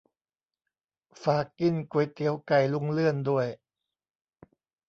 ฝากกินก๋วยเตี๋ยวไก่ลุงเลื่อนด้วย